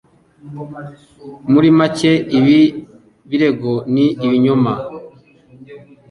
Muri make, ibi birego ni ibinyoma.